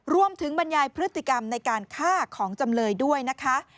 บรรยายพฤติกรรมในการฆ่าของจำเลยด้วยนะคะ